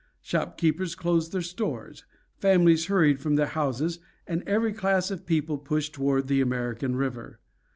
Shopkeepers closed their stores, families hurried from their houses, and every class of people pushed toward the American River.